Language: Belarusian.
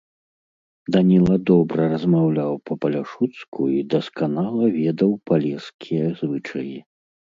Даніла добра размаўляў па-паляшуцку і дасканала ведаў палескія звычаі.